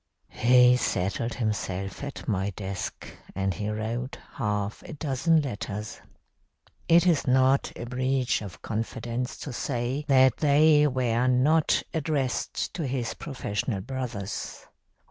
"He settled himself at my desk and he wrote half a dozen letters. It is not a breach of confidence to say that they were not addressed to his professional brothers.